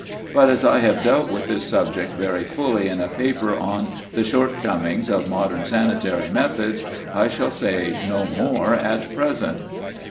But as I have dealt with this subject very fully in a paper on "The Shortcomings of Modern Sanitary Methods," I shall say no more at present.